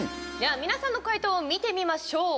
皆さんの解答を見てましょう。